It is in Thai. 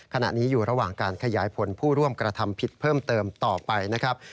ขณะนี้อยู่ระหว่างการขยายผลผู้ร่วมกระทำผิดเพิ่มเติมต่อไปนะครับ